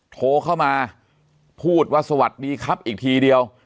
โทรเข้ามาพูดว่าสวัสดีครับอีกทีเดียว